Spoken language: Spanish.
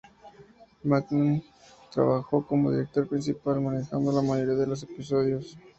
Mackinnon trabajó como director principal, manejando la mayoría de los episodios.